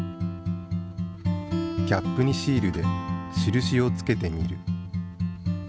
キャップにシールで印を付けてみる。